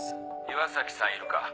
岩崎さんいるか？